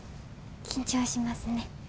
緊張しますね。